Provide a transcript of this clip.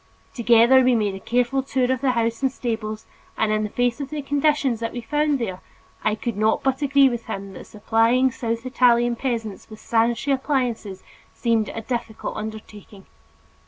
Together we made a careful tour of the houses and stables and in the face of the conditions that we found there, I could not but agree with him that supplying South Italian peasants with sanitary appliances seemed a difficult undertaking.